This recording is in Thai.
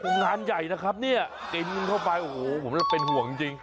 งานใหญ่นะครับเนี่ยกินเข้าไปโอ้โหผมเป็นห่วงจริง